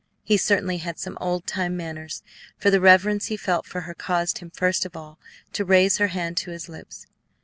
He certainly had some old time manners, for the reverence he felt for her caused him first of all to raise her hand to his lips.